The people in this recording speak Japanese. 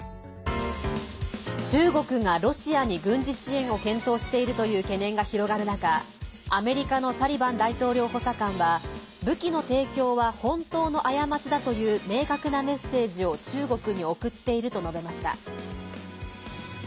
中国がロシアに軍事支援を検討しているという懸念が広がる中、アメリカのサリバン大統領補佐官は武器の提供は本当の過ちだという明確なメッセージを中国に送っていると述べました。